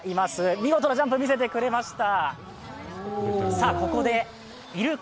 見事なジャンプ見せてくれました。